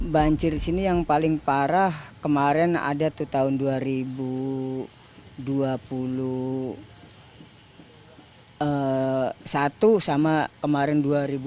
banjir di sini yang paling parah kemarin ada tuh tahun dua ribu dua puluh satu sama kemarin dua ribu dua puluh